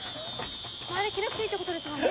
あれ着なくていいってことですもんね。